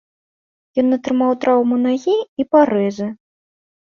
Ён атрымаў траўму нагі і парэзы.